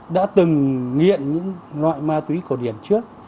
đã từng nghiện những loại ma túy cổ điểm trước